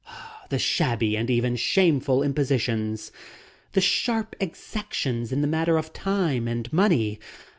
The shabby and even shameful impositions! The sharp exactations in the matter of time and money!